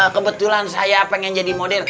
kebetulan saya pengen jadi modern